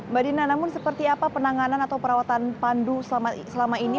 mbak dina namun seperti apa penanganan atau perawatan pandu selama ini